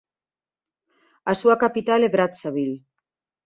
A súa capital é Brazzaville.